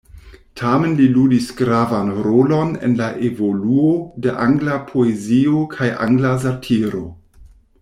Tamen li ludis gravan rolon en la evoluo de angla poezio kaj angla satiro.